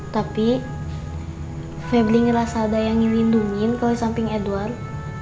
tapi fably ngerasa ada yang dilindungin kalau di samping edward